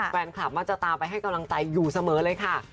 แฟนคลับมักจะตามไปให้กำลังใจอยู่เสมอเลยค่ะ